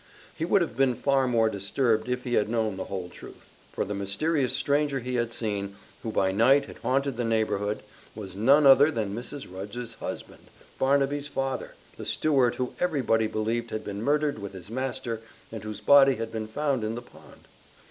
He would have been far more disturbed if he had known the whole truth. For the mysterious stranger he had seen, who by night had haunted the neighborhood, was none other than Mrs. Rudge's husband, Barnaby's father, the steward who everybody believed had been murdered with his master, and whose body had been found in the pond.